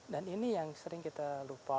dan ini yang sering kita lupa